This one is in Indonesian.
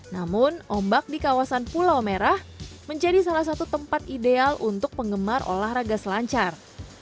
namun ombak di kawasan pulau merah menjadi salah satu tempat ideal untuk penggemar olahraga selancar